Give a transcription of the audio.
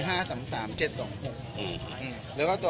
แล้วก็ต่อมาก็จะมี๕๓๓๗๒๖